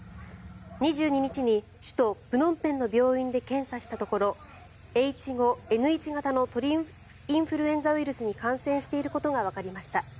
２２日に首都プノンペンの病院で検査したところＨ５Ｎ１型の鳥インフルエンザウイルスに感染していることがわかりました。